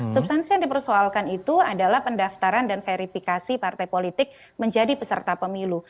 substansi yang dipersoalkan itu adalah pendaftaran dan verifikasi partai politik menjadi peserta pemilu